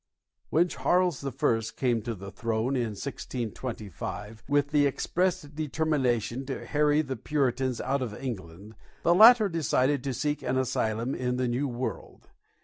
When Charles I came to the throne, in 1625, with the expressed determination to harry the Puritans out of England, the latter decided to seek an asylum in the New World.